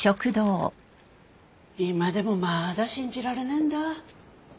今でもまだ信じられねえんだ。